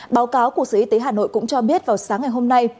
báo cáo của sở y tế hà nội cũng cho biết vào sáng ngày hôm nay